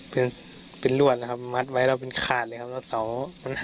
เป็นเป็นล่วนนะครับมัดไว้เราเป็นคาดเลยครับต้อง